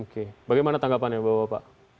oke bagaimana tanggapannya bapak